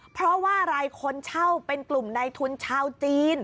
เพราะว่าอะไรคนเช่าเป็นกลุ่มในทุนชาวจีน